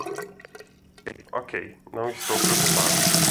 Ok, não estou preocupado.